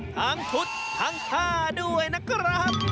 ทั้งชุดทั้งท่าด้วยนะครับ